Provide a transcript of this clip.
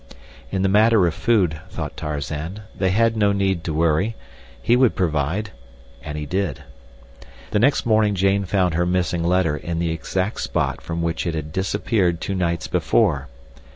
In the matter of food, thought Tarzan, they had no need to worry—he would provide, and he did. The next morning Jane found her missing letter in the exact spot from which it had disappeared two nights before.